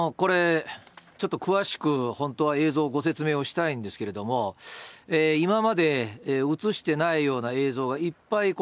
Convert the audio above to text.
ちょっと詳しく本当は映像、ご説明をしたいんですけれども、今まで写してないような映像がいっぱい